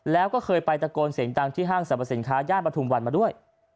แล้วก็เคยไปตะโกนเสียงดังที่ห้างสรรพสินค้าย่านปฐุมวันมาด้วย